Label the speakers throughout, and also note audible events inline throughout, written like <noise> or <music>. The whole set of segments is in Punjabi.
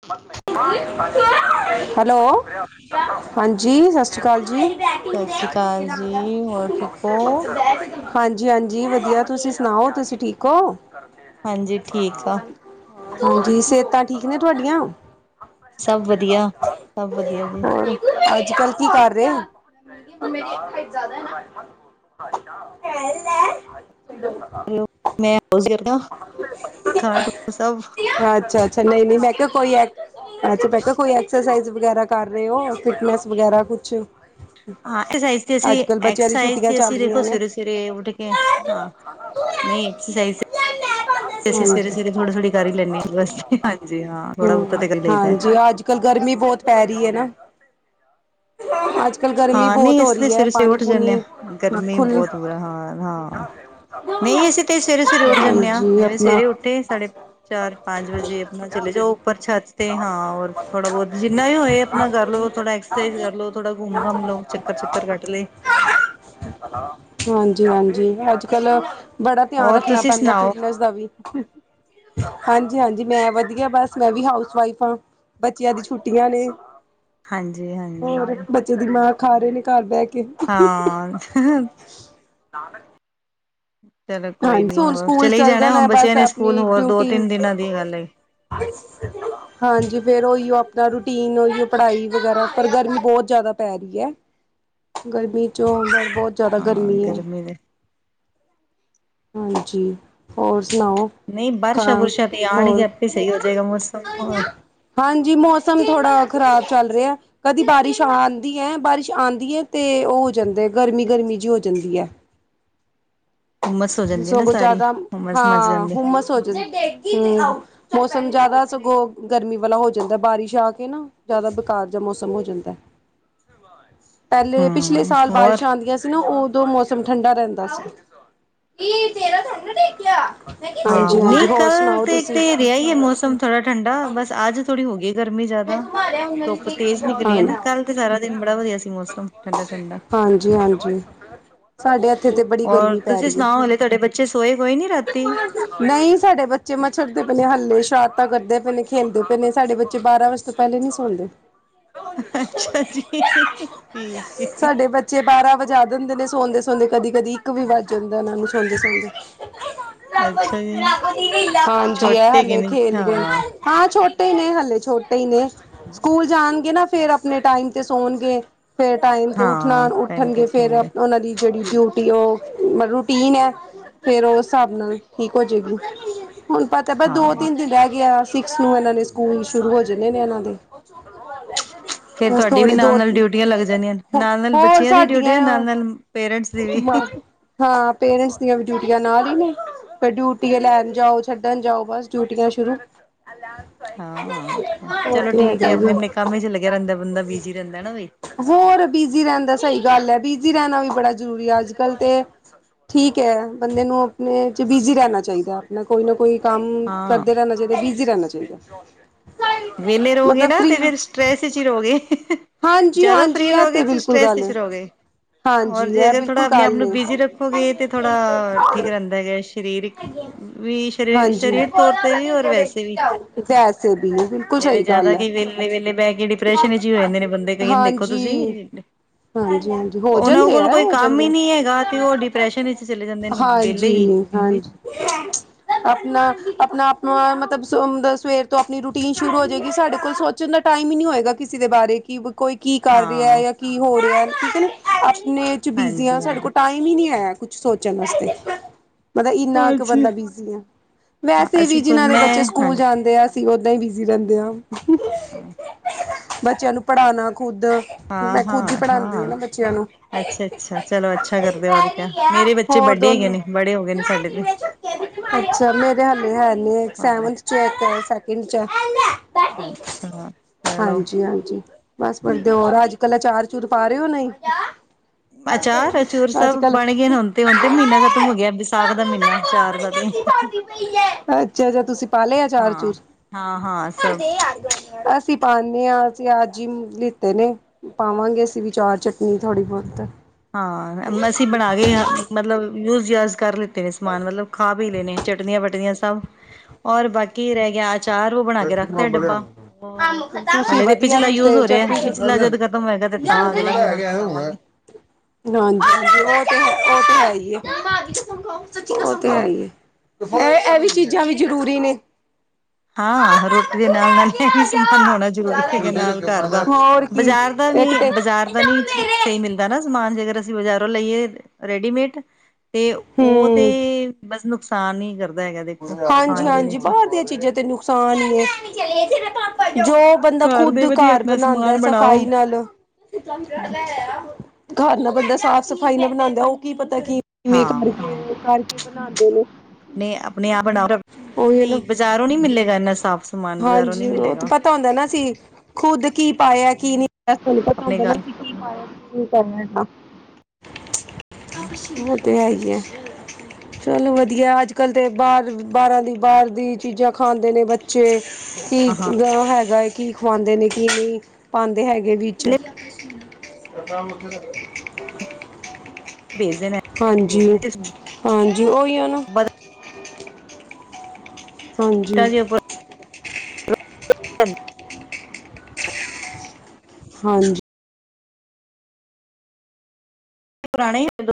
Speaker 1: <inaudible> ਹੈਲੋ, ਹਾਂਜੀ, ਸਤਿ ਸ਼੍ਰੀ ਅਕਾਲ ਜੀ।
Speaker 2: ਸਤਿ ਸ੍ਰੀ ਅਕਾਲ ਜੀ ਹੋਰ ਠੀਕ ਹੋ?
Speaker 1: ਹਾਂਜੀ ਹਾਂਜੀ, ਵਧੀਆਂ, ਤੁਸੀਂ ਸੁਣਾਓ, ਤੁਸੀਂ ਠੀਕ ਹੋ?
Speaker 2: ਹਾਂਜੀ, ਠੀਕ ਆ। ਹੋਰ
Speaker 1: ਹਾਂਜੀ, ਸਿਹਤਾਂ ਠੀਕ ਨੇ ਤੁਹਾਡੀਆਂ?
Speaker 2: ਸਭ ਵਧੀਆਂ, ਸਭ ਵਧੀਆਂ ਜੀ।
Speaker 1: ਅੱਜ-ਕੱਲ੍ਹ ਕੀ ਕਰ ਰਹੇਂ? ਲ਼ੈ
Speaker 2: ਮੈਂ, ਤੁਸੀਂ ਠੀਕ ਹੋ, ਘਰ-ਘੂਰ ਸਭ
Speaker 1: ਅੱਛਾ। ਅੱਛਾ, ਨਹੀਂ-ਨਹੀਂ, ਮੈਂ ਕਿਹਾਂ ਕੋਈ ਐ ਅੱਛਾ, ਮੈਂ ਕਿਹਾ ਕੋਈ ਐਕਰਸਾਈਜ਼ ਵਗ਼ੈਰਾ ਕਰ ਰਹੇਂ ਹੋ, ਫਿਟਨੈਂਸ ਵਗੈਰਾ ਕੁੱਛ?
Speaker 2: ਐਕਸੋਸਾਈਜ਼ 'ਜ ਤੇ ਅਸੀਂ, ਐਕ ਸਾਈਜ਼ ਤੇ
Speaker 1: ਚੱਲ
Speaker 2: ਅਸੀਂ ਦੇਖੋ,
Speaker 1: ਰਹੀਆਂ ਨੇ
Speaker 2: ਸਵੇਰੇ- ਸਵੇਰੇ ਉਠ ਕੇ, ਹਾਂ। ਨਹੀਂ, ਐਕਸੋਸਾਈਜ਼ ਤੇ ਅਸੀਂ
Speaker 1: ਹਾਂਜੀ ਹਮ
Speaker 2: ਸਵੇਰੇ-ਸਵੇਰੇ, ਥੋੜੀ-ਥੋੜੀ ਕਰ ਹੀ ਲੈਂਦੇ ਹਾਂ ਬਸ, ਹਾਂਜੀ ਹਾਂ, ਥੋੜਾ ਬਹੁਤਾ ਤਾਂ ਕਰ ਲਈਦਾ।
Speaker 1: ਇਕ, ਗਰਮੀਂ ਬਹੁਤ ਪੈ ਰਹੀਂ ਹੈ ਨਾ। ਅੱਜ-ਕੱਲ ਗਰਮੀਂ
Speaker 2: ਹਾਂ
Speaker 1: ਬਹੁਤ
Speaker 2: ਨਹੀਂ
Speaker 1: ਹੋ
Speaker 2: ਅਸੀਂ ਤੇ
Speaker 1: ਰਹੀ ਹੈ,
Speaker 2: ਸਵੇਰੇ ਸਵੇਰੇ ਉੱਠ ਜਾਂਦੇ
Speaker 1: ਪਾਣੀ-ਪੂਣੀ,
Speaker 2: ਹਾਂ ਗਰਮੀ
Speaker 1: ਰੱਖੋ।
Speaker 2: ਬਹੁਤ ਬੁਰਾ ਹਾਲ ਹਾਂ ਨਹੀਂ, ਅਸੀਂ ਤੇ ਸਵੇਰੇ-ਸਵੇਰੇ ਉੱਠ ਜਾਂਦੇ ਹਾਂ, ਜਿਵੇਂ
Speaker 1: ਆਪਣਾ
Speaker 2: ਸਵੇਰੇ ਉੱਠੇ ਸਾਢੇ ਚਾਰ-ਪੰਜ ਵਜੇ, ਆਪਣਾਂ ਚਲੇ ਜਾਓ ਉੱਪਰ ਛੱਤ ਤੇ ਹਾਂ, ਹੋਰ ਥੋੜਾ ਬਹੁਤ ਜਿੰਨਾ ਵੀ ਹੋਏ, ਆਪਣਾਂ ਕਰ ਲੋ। ਥੋੜਾ ਐਕਸੋਸਾਈਜ਼ ਕਰ ਲੋ, ਥੋੜਾਂ ਘੁੰਮ-ਘਾਮ ਲੋ, ਚੱਕਰ- ਚੱਕਰ ਕੱਟ ਲਏ।
Speaker 1: ਹਾਂਜੀ-ਹਾਂਜੀ, ਅੱਜ਼ ਕੱਲ੍ਹ ਬੜਾਂ ਧਿਆਂਨ
Speaker 2: ਹੋਰ
Speaker 1: ਧਿਆਨ ਰੱਖਣਾਂ
Speaker 2: ਤੁਸੀਂ
Speaker 1: ਪੈਂਦਾ,
Speaker 2: ਸੁਣਾਓ
Speaker 1: ਫਿਟਨੈਸ ਦਾ ਵੀ ਹਾਂਜੀ ਹਾਂਜੀ, ਮੈਂ ਵਧੀਆਂ ਬਸ, ਮੈਂ ਵੀ ਹਾਊਸ ਵਾਈਫ਼ ਹਾਂ। ਬੱਚਿਆਂ ਦੀ ਛੁੱਟੀਆਂ ਨੇ।
Speaker 2: ਹਾਂਜੀ
Speaker 1: ਹੋਰ,
Speaker 2: ਹਾਂਜੀ
Speaker 1: ਬੱਚੇ ਦਿਮਾਗ ਖਾ ਰਹੇਂ ਨੇ, ਘਰ ਬਹਿ ਕੇ।
Speaker 2: ਹਾਂ
Speaker 1: <inaudible>
Speaker 2: ਚਲੋ ਕੋਈ
Speaker 1: ਹਾਂਜੀ,
Speaker 2: ਨੀ
Speaker 1: ਹੁਣ
Speaker 2: ਹੋਰ
Speaker 1: ਸਕੂਲ
Speaker 2: ਚਲੇ ਹੀ
Speaker 1: ਚੱਲ
Speaker 2: ਜਾਣਾ ਹੁਣ
Speaker 1: ਜਾਣਾਂ,
Speaker 2: ਬੱਚਿਆਂ
Speaker 1: ਬਸ
Speaker 2: ਨੇ ਸਕੂਲ
Speaker 1: ਆਪਣੀਂ
Speaker 2: ਹੋਰ ਦੋ
Speaker 1: ਡਿਊਟੀ
Speaker 2: ਤਿੰਨ ਦਿਨਾਂ ਦੀ ਗੱਲ ਹੈ
Speaker 1: ਹਾਂਜੀ ਫੇਿਰ ਉਈਓ ਆਪਣਾ ਰੂਟੀਨ, ਉਈਓ ਪੜ੍ਹਾਈ ਵਗੈਰਾ, ਪਰ ਗਰਮੀ ਬਹੁਤ ਜ਼ਿਆਦਾ ਪੈ ਰਹੀ ਹੈ। ਗਰਮੀ 'ਚੋਂ ਅ, ਬਹੁਤ ਜ਼ਿਆਦਾ
Speaker 2: ਹਾਂ
Speaker 1: ਗਰਮੀ ਹੈ।
Speaker 2: ਦੇ
Speaker 1: ਹਾਂਜੀ, ਹੋਰ ਸੁਣਾਓ?
Speaker 2: ਨਹੀਂ ਬਾਰਿਸ਼ਾਂ ਬੁਰਸ਼ਾਂ
Speaker 1: <unintelligible>
Speaker 2: ਤੇ ਆਉਣਗੇ
Speaker 1: ਹੋਰ
Speaker 2: ਆਪੇ ਸਹੀ ਹੋ ਜਾਏਗਾ ਮੌਸਮ ਹੋਰ
Speaker 1: ਹਾਂਜੀ, ਮੌਸਮ ਥੋੜਾ ਖ਼ਰਾਬ ਚੱਲ ਰਿਹਾ। ਕਦੀ ਬਾਰਿਸ਼ ਆਉਂਦੀ ਹੈ, ਬਾਰਿਸ਼ ਆਉਂਦੀ ਹੈ ਤੇ ਉਹ ਹੋ ਜਾਂਦਾ, ਗਰਮੀ- ਗਰਮੀ ਜਿ ਹੋ ਜਾਂਦੀ ਹੈ।
Speaker 2: ਹੁੰਮਸ ਹੋ ਜਾਂਦੀ ਨਾ
Speaker 1: ਸਗਗੋਂ
Speaker 2: ਸਾਰੀ
Speaker 1: ਜ਼ਿਆਦਾ
Speaker 2: ਹੁੰਮਸ ਮਚ
Speaker 1: ਹਾਂ,
Speaker 2: ਜਾਂਦੀ
Speaker 1: ਹੁਮ ਸ ਹੋ ਜਾਂਦੀ ਹਮ ਮੌਸਮ ਜ਼ਿਆਦਾ ਸਗੋਂ ਗਰਮੀ ਵਾਲਾ ਹੋ ਜਾਂਦਾ, ਬਾਰਿਸ਼ ਆ ਕੇ ਨਾ ਜ਼ਿਆਦਾ ਬੇਕਾਰ ਜਾਂਹਾ ਮੌਸਮ ਹੋ ਜਾਂਦਾ। ਪਹਿਲੇ, ਪਿਛਲੇ
Speaker 2: ਹਮ
Speaker 1: ਸਾਲ
Speaker 2: ਹੋਰ
Speaker 1: ਬਾਰਿਸ਼ਾਂ ਆਉਂਦੀਆਂ ਸੀ ਨਾ, ਉਦੋਂ ਮੌਸਮ ਠੰਡਾ ਰਹਿੰਦਾ ਸੀ <inaudible> ਹਾਂਜੀ
Speaker 2: ਹਾਂ,
Speaker 1: ਹਾਂਜੀ
Speaker 2: ਨਹੀਂ
Speaker 1: ਹੋਰ
Speaker 2: ਕੱਲ
Speaker 1: ਸੁਣਾਓ
Speaker 2: ਤੇ
Speaker 1: ਤੁਸੀਂ?
Speaker 2: ਤੇ ਰਿਹਾ ਹੀ ਹੈ ਮੌਸਮ ਥੋੜਾ ਠੰਡਾ, ਬਸ ਅੱਜ ਥੋੜ੍ਹੀ ਹੋ ਗਈ ਗਰਮੀ
Speaker 1: ਹਾਂ
Speaker 2: ਜ਼ਿਆਦਾ ਧੁੱਪ ਤੇਜ਼ ਨਿਕਲੀ ਹੈ ਨਾ, ਕੱਲ੍ਹ ਤੇ ਸਾਰਾ ਦਿਨ ਬੜਾ ਵਧੀਆ ਸੀ ਮੌਸਮ ਠੰਡਾ -ਠੰਡਾ
Speaker 1: ਹਾਂਜੀ ਹਾਂਜੀ ਸਾਡੇ ਹੱਥੇ ਤੇ ਬ
Speaker 2: ਔਰ, ਤੁਸੀਂ ਸੁਣਾਓ ਹਲੇ ਤੁਹਾਡੇ ਬੱਚੇ ਸੋਏ ਹੋੋਏ ਨੀ ਰਾਤੀ
Speaker 1: ਨਹੀਂ ਸਾਡੇ ਬੱਚੇ ਮਛੜਦੇ ਪਏ ਨੇ ਹੱਲੇ, ਸ਼ਰਾਤ ਤਾਂ ਕਰਦੇ ਪਏ ਨੇ, ਖੇਲਦੇ ਪਏ ਨੇ, ਸਾਡੇ ਬੱਚੇ ਤੇ ਬਾਰਾਂ ਵਗਸ ਤੋਂ ਪਹਿਲੇ ਨਹੀਂੀ ਸੋਲਦੇ
Speaker 2: ਅੱਛਾ ਜੀ ਠੀਕ ਹੈ।
Speaker 1: ਸਾਡੇ ਬੱਚੇ, ਬਾਰਾਂ ਵਜਾ ਦਿੰਦੇ ਨੇ ਸੌਦੇ -ਸੋਦੇ, ਕਦੀ -ਕਦੀ ਇੱਕ ਵੀ ਵੱਜ ਜਾਂਦਾ ਉਹਨਾਂ ਨੂੰ ਸੌਦੇ ਸੌਦੇ
Speaker 2: ਅੱਛਾ ਜੀ
Speaker 1: ਹਾਂਜੀ,
Speaker 2: ਛੋਟੇ ਕਿ
Speaker 1: ਹਲੇ
Speaker 2: ਨੇ
Speaker 1: ਖੇਲਦੇ
Speaker 2: ਹਾਂ
Speaker 1: ਹਾਂ ਛੋਟੇ ਹੀ ਨੇ ਹਲੇ ਛੋਟੇ ਹੀ ਨੇ, ਸਕੂਲ ਜਾਣਗੇ ਨਾ, ਫੇਰ ਆਪਣੇ ਟਾਈਮ ਤੇ ਸੌਣਗੇ ਫੇਰ, ਟਾਈਮ ਤੇ ਉੱਠਣਾ,
Speaker 2: ਹਾਂ ਟਾਈਮ ਤੇ
Speaker 1: ਉੱਠਣਗੇ ਫੇਰ ਉਹਨਾਂ ਦੀ ਜਿਹੜੀ ਡਿਊਟੀ, ਉਹ ਮਤਲਬ ਰੂਟੀਨ ਹੈ। ਫੇਰ, ਉਹ ਹਿਸਾਬ ਨਾਲ ਠੀਕ ਹੋਜਏਗੀ ਹੁਣ ਪਤਾ ਤੇ ਪਰ ਦੋ,
Speaker 2: ਹਾਂ
Speaker 1: ਤਿੰਨ ਦਿਨ ਰਹਿ ਗਿਆ, ਸਿਕਸ ਨੂੰ ਇਹਨਾਂ ਦੇ ਸਕੂਲ ਸ਼ੁਰੂ ਹੋ ਜਾਂਦੇ ਨੇ, ਇਹਨਾਂ ਦੇ
Speaker 2: ਫੇਿਰ
Speaker 1: ਬਸ
Speaker 2: ਤੁਹਾਡੀ ਵੀ
Speaker 1: ਥੋੜੇ ਦੋ
Speaker 2: ਨਾਲ- ਨਾਲ ਡਿਊਟੀਆਂ ਲੱਗ ਜਾਂਦੀਆਂ, ਨਾਲ -ਨਾਲ
Speaker 1: ਹੋਰ
Speaker 2: ਬੱਚਿਆਂ ਦੀ
Speaker 1: ਸਾਡੀਆਂ
Speaker 2: ਡਿਊਟੀ, ਨਾਲ -ਨਾਲ ਪੇਰੈਂਟਸ ਦੀ ਵੀ
Speaker 1: ਹਾਂ, ਪੇਰੈਂਟਸ ਦੀਆਂ ਵੀ ਡਿਊਟੀਆਂ ਨਾਲ ਹੀ ਨੇ ਫ ਡਿਊਟੀ ਲੈਣ ਜਾਓ, ਛੱਡਣ ਜਾਓ, ਬਸ ਡਿਊਟੀਆਂ ਸ਼ੁਰੂ
Speaker 2: ਹਾਂ, ਹੋਰ
Speaker 1: ਉਹ
Speaker 2: ਚਲੋ
Speaker 1: ਤੇ
Speaker 2: ਠੀਕ
Speaker 1: ਹੈਗਾ ਹੀ
Speaker 2: ਆਪਣੇ
Speaker 1: ਹੈ
Speaker 2: -ਆਪਣੇ ਕੰਮ ਲੱਗਿਆ ਰਹਿੰਦਾ ਬੰਦਾ ਬਿਜੀ ਰਹਿੰਦਾ ਹੈ। ਬਈ
Speaker 1: ਹੋਰ, ਬਿਜ਼ੀ ਰਹਿਣ ਦਾ ਸਹੀ ਗੱਲ ਹੈ, ਬਿਜ਼ੀ ਰਹਿਣਾ ਵੀ ਬੜਾ ਜ਼ਰੂਰੀ ਹੈ। ਅੱਜ ਕੱਲ ਤੇ ਠੀਕ ਹੈ, ਬੰਦੇ ਨੂੰ ਆਪਣੇ ਚ ਬਿਜ਼ੀ ਰਹਿਣਾ ਚਾਹੀਦਾ। ਨਾ ਕੋਈ ਨਾ ਕੋਈ ਕੰਮ
Speaker 2: ਹਾਂ
Speaker 1: ਕਰਦੇ ਰਹਿਣਾ ਚਾਹੀਦਾ, ਬਿਜੀੀ ਰਹਿਣਾ ਚਾਹੀਦਾ
Speaker 2: ਵਿਹਲੇ ਰੋ ਗਏ
Speaker 1: ਮਤਲਬ
Speaker 2: ਨ ਤੇ
Speaker 1: ਫਰੀ
Speaker 2: ਫੇਿਰ ਸਟਰ੍ਰੈਸ ਵਿੱਚ ਹੀ ਰੋ ਗਏ।
Speaker 1: ਹਾਂਜੀ
Speaker 2: ਜ਼ਿਆਦਾ
Speaker 1: ਹਾਂਜੀ
Speaker 2: ਫ੍ਰਰੀ
Speaker 1: ਇਹ
Speaker 2: ਰਹੋਗੇ ਤੇ
Speaker 1: ਬਿਲਕੁਲ
Speaker 2: ਸਟਰ੍ਰੈਸ
Speaker 1: ਗੱਲ
Speaker 2: ਵਿੱਚ
Speaker 1: ਹੈ।
Speaker 2: ਰਹੋਗੇ, ਔਰ
Speaker 1: ਹਾਂਜੀ
Speaker 2: ਜੇ
Speaker 1: ਇਹ
Speaker 2: ਅਗਰ ਥੋੜ੍ਹਾ
Speaker 1: ਬਿਲਕੁਲ
Speaker 2: ਆਪਣੇ
Speaker 1: ਕਾਲ
Speaker 2: ਆਪ ਨੂੰ
Speaker 1: ਨੇ।
Speaker 2: ਬਿਜੀੀ ਰੱਖ ਹੋ ਗਏ ਤੇ ਥੋੜਾ ਠੀਕ ਰਹਿੰਦਾ ਸਰੀਰਕ, ਵੀ
Speaker 1: ਹਾਂਜੀ
Speaker 2: ਸ਼ਰੀਰ ਤੌਰ ਤੇ ਵੀ ਔਰ ਵੈਸੇ ਵੀ
Speaker 1: <unintelligible> ਬਿਲਕੁਲ
Speaker 2: ਜਿਵੇਂ
Speaker 1: ਸਹੀ
Speaker 2: ਜ਼ਿਆਦਾ
Speaker 1: ਗੱਲ ਹੈ।
Speaker 2: ਕਿ ਵੇਲੇ ਵੇਲੇ ਬਹਿ ਕੇ ਡਿਪਰੈਸ਼ਨ ਵਿੱਚ ਹੀ ਹੋ ਜਾਂਦੇ ਨੇ ਬੰਦੇ ਕਈ ਦੇਖੋ ਤੁਸੀਂ
Speaker 1: ਹਾਂਜੀ ਹਾਂਜੀ -ਹਾਂਜੀ ਹੋ
Speaker 2: ਉਹਨਾਂ
Speaker 1: ਜਾਂਦੇ
Speaker 2: ਕੋਲ
Speaker 1: ਆ,
Speaker 2: ਕੋਈ
Speaker 1: ਹੋ
Speaker 2: ਕੰਮ
Speaker 1: ਜਾਂਦੇ
Speaker 2: ਹੀ
Speaker 1: ਆ,
Speaker 2: ਨਹੀਂ ਹੈਗਾ ਤੇ ਉਹ ਡਿਪਰੈਸ਼ਨ ਵਿੱਚ ਚਲੇ ਜਾਂਦੇ ਨੇ ਵਿਹਲੇ ਹੀ
Speaker 1: ਹਾਂਜੀ ਹਾਂਜੀ ਆਪਣਾ - ਆਪਣਾ, ਆਪਣਾ ਮਤਲਬ ਸਵੇਰ ਤੋਂ ਆਪਣੀ ਰੂਟੀਨ ਸ਼ੁਰੂ ਹੋ ਜਾਏਗੀ, ਸਾਡੇ ਕੋਲ ਸੋਚਣ ਦਾ ਟਾਈਮ ਹੀ ਨਹੀਂ ਹੋਏਗਾ, ਕਿਸੇ ਦੇ ਬਾਰੇ ਕਿ ਕੋਈ ਕੀ ਕਰ ਰਿਹਾ
Speaker 2: ਹਾਂ
Speaker 1: ਜਾਂ ਕੀ ਹੋ ਰਿਹਾ, ਠੀਕ ਹੈ ਨਾ, ਆਪਣੇ ਚ ਬਿਜ਼ੀ ਆ,
Speaker 2: ਹਾਂਜੀ
Speaker 1: ਸਾਡੇ
Speaker 2: ਹਾਂਜੀ
Speaker 1: ਕੋਲ ਟਮ ਵੀ ਨੀ ਹੈ, ਕੁਛ ਸੋਚਣ ਵਾਸਤੇ ਮਤਲਬ, ਇੰਨਾ ਕੁ
Speaker 2: ਹਾਂਜੀ
Speaker 1: ਬੰਦਾ ਬਿਜੀੀ ਆ,
Speaker 2: ਹਾਂ
Speaker 1: ਵੈਸੇ ਵੀ
Speaker 2: ਅਸੀਂ ਖੁਦ
Speaker 1: ਜਿਹਨਾਂ ਦੇ ਬੱਚੇ
Speaker 2: ਮੈਂ
Speaker 1: ਸਕੂਲ
Speaker 2: ਹਾਂਜੀ
Speaker 1: ਜਾਂਦੇ ਆ ਅਸੀਂ, ਓਦਾਂ ਹੀ ਬਿਜ਼ੀ ਰਹਿੰਦੇ ਹਾਂ,
Speaker 2: ਹਾਂ
Speaker 1: ਬੱਚਿਆਂ ਨੂੰ ਪੜ੍ਹਾਣਾ ਖੁਦ
Speaker 2: ਹਾਂ
Speaker 1: ਮੈਂ ਖੁਦ ਹੀ
Speaker 2: ਹਾਂ
Speaker 1: ਪੜ੍ਹਾਉਂਦੀ
Speaker 2: ਹਾਂ,
Speaker 1: ਨਾ ਬੱਚਿਆਂ ਨੂੰ
Speaker 2: ਅੱਛਾ ਅੱਛਾ ਚਲੋ, ਅੱਛਾ ਕਰਦੇ ਵਧੀਆ ਮੇਰੇ ਬੱਚੇ ਬੱਚੇ
Speaker 1: ਹੋਰ
Speaker 2: ਵੱਡੇ ਹੈਗੇ
Speaker 1: ਦੋਨੋ
Speaker 2: ਨੇ, ਬੜੇ ਹੋ ਗਏ ਨੇ ਸਾਡੇ ਤੇ
Speaker 1: ਅੱਛਾ, ਮੇਰੇ ਹਾਲੇ ਹੈਗੇ
Speaker 2: ਹਾਂ
Speaker 1: ਸੈਵਨਥ 'ਚ ਆ ਇੱਕ ਸੈਕਿੰਡ 'ਚ ਆ।
Speaker 2: ਅੱਛਾ ਚਲੋ
Speaker 1: ਹਾਂਜੀ-ਹਾਂਜੀ। ਬਸ ਵਧੀਐ ਹੋਰ ਅੱਜ-ਕੱਲ ਅਚਾਰ-ਚੂਰ ਪਾ ਰੇਉ ਨਈ।
Speaker 2: ਅਚਾਰ-ਅਚੂਰ ਸਭ ਬਣ ਗਏ ਨੇ ਹੁਣ ਤੇ ਹੁਣ ਤੇ ਮੀਨਾ ਖਤਮ ਹੋ ਗਿਆ ਸਾਗ ਦਾ ਮੀਨਾ ਚਾਰ ਦਾ ਤੇ।
Speaker 1: ਅੱਛਾ-ਅੱਛਾ ਤੁਸੀਂ ਪਾ ਲਇਆ
Speaker 2: ਹਾਂ
Speaker 1: ਅਚਾਰ-ਚੂਰ।
Speaker 2: ਹਾਂ-ਹਾਂ ਸਭ
Speaker 1: ਅਸੀਂ ਪਾਨੇ ਆ ਅਸੀਂ ਅੱਜ ਹੀ ਲਿੱਤੇ ਨੇ ਪਾਵਾਂਗੇ ਅਸੀਂ ਵੀ ਚਾਰ ਚਟਨੀ ਥੋੜੀ ਬੋਤ।
Speaker 2: ਹਾਂ, ਅਸੀਂ ਬਣਾ ਗੇ ਆ ਮਤਲਬ ਯੂਜ-ਯਜ ਕਰ ਲਿੱਤੇ ਨੇ ਸਮਾਨ ਮਤਲਬ। ਖਾ-ਪੀ ਲਏ ਨੇ ਚਟਨੀਆਂ-ਵਟਨੀਆਂ ਸਭ ਔਰ ਬਾਕੀ ਰਹਿ ਗਿਆ। ਚਾਰ ਓ ਬਣਾ ਕੇ ਰੱਖਤਾ ਏ ਡੱਬਾ। ਹੋਰ
Speaker 1: ਤੁਸੀਂ
Speaker 2: ਹਲੇ ਤੇ
Speaker 1: ਵਧੀਆ
Speaker 2: ਪਿਛਲਾ
Speaker 1: ਤੁਸੀਂ
Speaker 2: ਯੂਜ
Speaker 1: ਤੇ
Speaker 2: ਹੋ ਰਿਆ
Speaker 1: ਚਟਨੀ ਚ
Speaker 2: ਪਿਛਲਾ ਜਦ
Speaker 1: ਹਾਂਜੀ-ਹਾਂਜੀ
Speaker 2: ਖ਼ਤਮ ਹੋਏਗਾ ਤੇ ਤਾਂ ਅਗਲਾ ਫੇਰ ਹੁਨ ਚਲਾਵਾਂਗੇ।
Speaker 1: ਹੂੰ। ਹਾਂਜੀ, ਓ-ਓ ਤੇ ਉ ਤੇ ਹੈਇ ਏ, ਉ ਤੇ ਹੈਇ ਏ। ਏ ਐ ਵੀ ਚੀਜ਼ਾਂ ਵੀ ਜ਼ਰੂਰੀ ਨੇ।
Speaker 2: ਹਾਂ, ਰੋਟੀ ਦੇ ਨਾਲ-ਨਾਲ ਏ ਵੀ ਸਮ ਸਾਨੂੰ ਹੋਣਾ ਜ਼ਰੂਰੀ ਹੈਗਾ ਨਾਲ ਘਰ ਦਾ
Speaker 1: ਹੋਰ ਕੀ
Speaker 2: ਬਜ਼ਾਰ ਦਾ
Speaker 1: ਇੱਕ
Speaker 2: ਨਈ ਆ
Speaker 1: ਤੇ
Speaker 2: ਬਜ਼ਾਰ ਦਾ ਨਈ ਸਈ। ਨਈ ਮਿਲਦਾ ਨਾ ਸਮਾਨ ਜੇਕਰ ਅਸੀਂ ਬਜ਼ਾਰੋਂ ਲਈਏ ਰੈਡੀਮੇਡ। ਤੇ ਉ
Speaker 1: ਹੂੰ
Speaker 2: ਤੇ ਬਸ ਨੁਕਸਾਨ ਹੀ ਕਰਦ
Speaker 1: ਹਾਂਜੀ-ਹਾਂਜੀ ਬਾਰ ਦੀਆਂ ਚੀਜ਼ਾਂ ਤੇ ਨੁਕਸਾਨ ਹੀ ਏ ਜੋ। ਬੰਦਾ
Speaker 2: ਘਰ ਦੇ
Speaker 1: ਖੁਦ
Speaker 2: ਵਧੀਆ
Speaker 1: ਘਰ
Speaker 2: ਆਪਣਾ
Speaker 1: ਬਣਾਂਣਦਾ
Speaker 2: ਸਮਾਨ ਬਣਾਓ
Speaker 1: ਸਫ਼ਾਈ ਨਾਲ। ਘਾਰ ਨਾ ਬੰਦਾ ਸਾਫ਼-ਸਫ਼ਾਈ ਨਾ ਬਣਾਨਦੇ ਓ ਕੀ ਪਤਾ ਕੀ। <inaudible>
Speaker 2: ਹਾਂ
Speaker 1: ਕਰਕੇ ਬਣਾਨਦੇ ਨੇ।
Speaker 2: ਨੇ ਆਪਣੇ ਆਪ ਬਣਾੳ
Speaker 1: ਉਹੀ
Speaker 2: ਨਈ
Speaker 1: ਨਾ
Speaker 2: ਬਜ਼ਾਰੋਂ ਨੀ ਮਿਲੇਗਾ ਇੰਨਾ ਸਾਫ਼। ਸਮਾਨ ਬਾਜ਼ਾਰੋਂ ਨਹੀਂ
Speaker 1: ਹਾਂਜੀ, ਉ ਤੇ
Speaker 2: ਮਿਲੇਗਾ
Speaker 1: ਪਤਾ ਹੁੰਦੇ ਨਾ ਅਸੀ ਖੁੱਦ ਕੀ ਪਾਇਐ ਕੀ ਨੀ ਪਾਇਆ ਸਾਨੂੰ ਪਤਾ
Speaker 2: ਆਪਣੇ
Speaker 1: ਹੁੰਦੇ ਨਾ।
Speaker 2: ਘਰ
Speaker 1: ਕੀ ਪਾਇਆ ਕੀ ਨਈ ਪਾਇਆ ਓ ਤੇ ਹੈ ਹੀ ਏ। ਚਲ ਵਧੀਆ ਅੱਜ-ਕੱਲ ਤੇ ਬਾਰ ਬਾਰਾਂ ਦੀ ਬਾਰ ਦੀ ਚੀਜ਼ਾਂ ਖਾਣ ਹੁੰਦੇ ਨੇ ਬੱਚੇ ਕੀ
Speaker 2: ਹਾਂ ਹਾਂ
Speaker 1: ਹੈਗਾ ਏ ਕੀ ਖਵਾਦੇ ਨੇ ਕੀ ਨਈ। ਪਾਂਦੇ ਹੈਗੇ ਵਿੱਚ।
Speaker 2: ਭੇਜਦੇ ਨੇ
Speaker 1: ਹਾਂਜੀ-ਹਾਂਜੀ ਉਇੳ ਨਾ। ਹਾਂਜੀ।
Speaker 2: <inaudible>
Speaker 1: ਹਾਂਜੀ।
Speaker 2: ਪੁਰਾਣੇ ਏ <inaudible>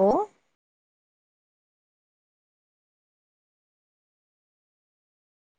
Speaker 2: ਓ।